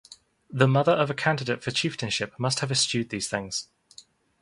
The mother of a candidate for chieftainship must have eschewed these things.